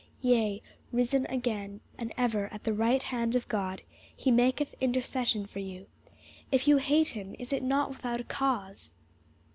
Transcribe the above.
Yea, risen again, and ever at the right hand of God, he maketh intercession for you. If you hate him, is it not without a cause?"